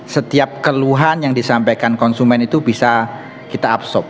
setiap keluhan yang disampaikan konsumen itu bisa kita absorb